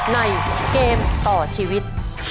ในเกมต่อชีวิต